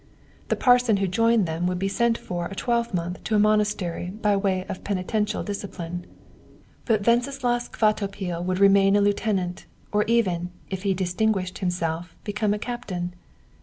The parson who joined them would be sent for a twelvemonth to a monastery, by way of penitential discipline; but Wenceslaus Kvatopil would remain a lieutenant, or even, if he distinguished himself, become a captain.